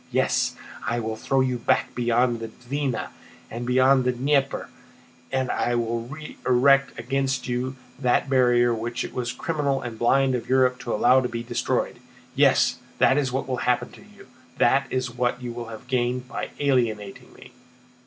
"Yes, I will throw you back beyond the Dvína and beyond the Dnieper, and will re erect against you that barrier which it was criminal and blind of Europe to allow to be destroyed. Yes, that is what will happen to you. That is what you have gained by alienating me!"